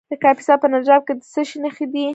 د کاپیسا په نجراب کې د څه شي نښې دي؟